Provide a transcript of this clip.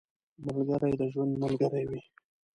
ملګری د ژوند ملګری وي